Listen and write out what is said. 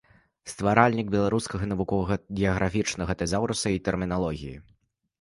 Стваральнік беларускага навуковага геаграфічнага тэзаўруса і тэрміналогіі.